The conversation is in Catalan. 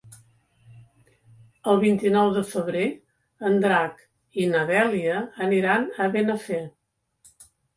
El vint-i-nou de febrer en Drac i na Dèlia aniran a Benafer.